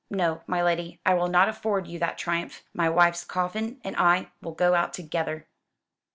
No, my lady, I will not afford you that triumph. My wife's coffin and I will go out together."